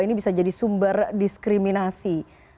ini bisa jadi sumber diskriminasi